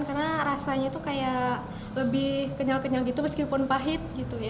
karena rasanya lebih kenyal kenyal meskipun pahit